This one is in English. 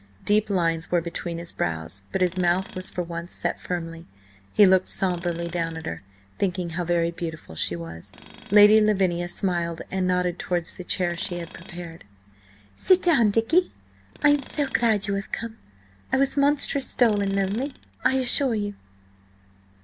Deep lines were between his brows, but his mouth was for once set firmly. He looked sombrely down at her, thinking how very beautiful she was. Lady Lavinia smiled and nodded towards the chair she had prepared. "Sit down, Dicky! I am so glad you have come! I was monstrous dull and lonely, I assure you!"